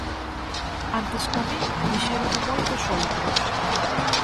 Antes ca min dixérono moitos outros.